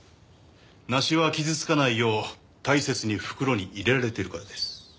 梨は傷つかないよう大切に袋に入れられてるからです。